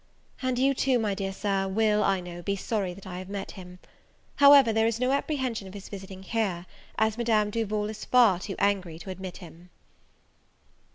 And you, too, my dear Sir, will, I know, be sorry that I have met him; however, there is no apprehension of his visiting here, as Madame Duval is far too angry to admit him.